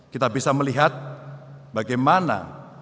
kita bisa melihat bagaimana